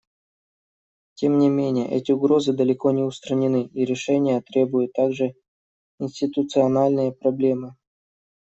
Тем не менее, эти угрозы далеко не устранены, и решения требуют также институциональные проблемы.